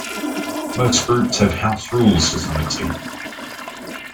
Most groups have house rules to some extent.